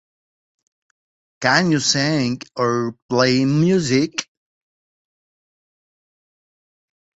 Can you sing or play music?